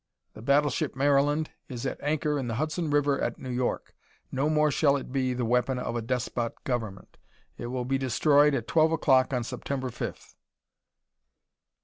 The battleship Maryland is at anchor in the Hudson River at New York. No more shall it be the weapon of a despot government. It will be destroyed at twelve o'clock on September fifth."